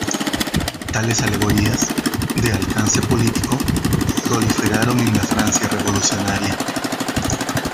Tales alegorías, de alcance político, proliferaron en la Francia revolucionaria.